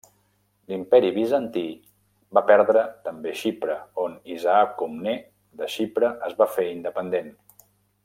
L'Imperi Bizantí va perdre també Xipre, on Isaac Comnè de Xipre es va fer independent.